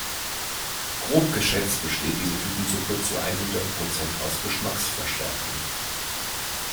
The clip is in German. Grob geschätzt besteht diese Tütensuppe zu einhundert Prozent aus Geschmacksverstärkern.